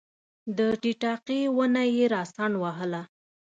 د ټیټاقې ونه یې راڅنډ وهله